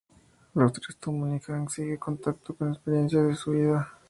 Los tres toman, y Hank sigue contando experiencias de su vida.